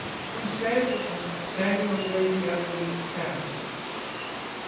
Who said and sang away the ugly past.